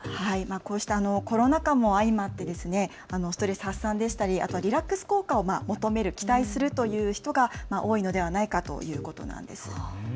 こうしたコロナ禍も相まってストレス発散でしたりリラックス効果を求める、期待するという人が多いのではないかということなんです。